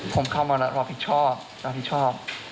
ผมเข้ามาแล้วรอผิดชอบรอผิดชอบ